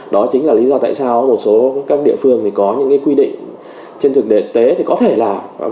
đó chính là lý do tại sao một số các địa phương thì có những quy định trên thực tế thì có thể là